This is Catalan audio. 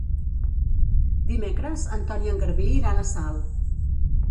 Dimecres en Ton i en Garbí iran a Salt.